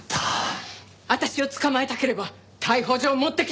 私を捕まえたければ逮捕状持ってきなさい！